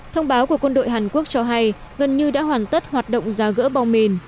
thông báo của quân đội hàn quốc cho hay gần như đã hoàn tất hoạt động giả gỡ bom mìn